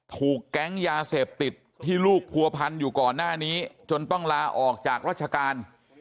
ถูกแก๊งยาเสพติดที่ลูกผัวพันอยู่ก่อนหน้านี้จนต้องลาออกจากราชการ